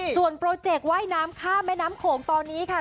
ส่วนโปรเจกว่ายน้ำข้ามแม่น้ำโขงตอนนี้ค่ะ